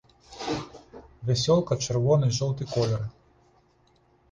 Вясёлка, чырвоны і жоўты колеры.